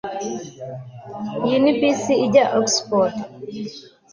Iyi ni bisi ijya Oxford